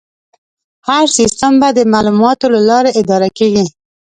هر سیستم به د معلوماتو له لارې اداره کېږي.